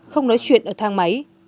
không nói chuyện ở thang máy